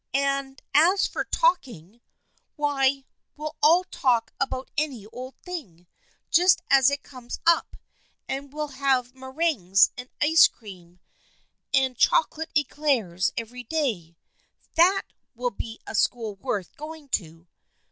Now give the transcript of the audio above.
And as for talking ! Why, well all talk about any old thing just as it conies up, and we'll have meringue* and ice cream and chocolate eclairs every day. That will be a school worth going to.